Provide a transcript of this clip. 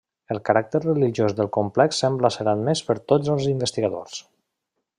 El caràcter religiós del complex sembla ser admès per tots els investigadors.